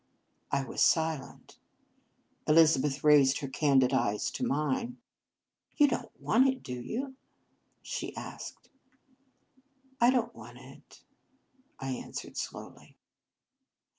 I was silent. Elizabeth raised her candid eyes to mine. " You don t want it, do you ?" she asked. " I don t want it," I answered slowly.